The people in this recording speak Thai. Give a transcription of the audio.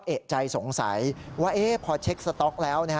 เอกใจสงสัยว่าพอเช็คสต๊อกแล้ว